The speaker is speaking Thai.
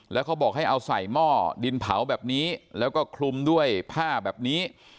แล้วเขาบอกให้เอาใส่หม้อดินเผาแบบนี้แล้วก็คลุมด้วยผ้าแบบนี้